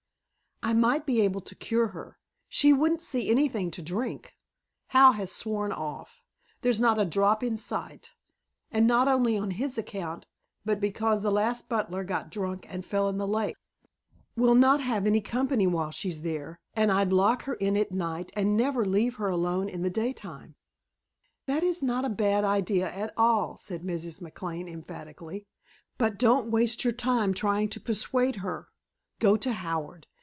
"I might be able to cure her. She wouldn't see anything to drink. Hal has sworn off. There's not a drop in sight, and not only on his account but because the last butler got drunk and fell in the lake. We'll not have any company while she's there. And I'd lock her in at night and never leave her alone in the daytime." "That is not a bad idea at all," said Mrs. McLane emphatically. "But don't waste your time trying to persuade her. Go to Howard.